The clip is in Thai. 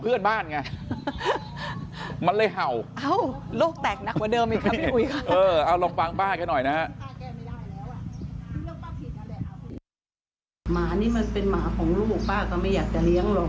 มันเป็นหมาของลูกป้าก็ไม่อยากจะเลี้ยงหรอก